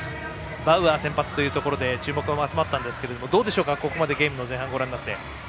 バウアー先発ということで注目も集まったんですがどうでしょうか、ここまでゲームの前半ご覧になって。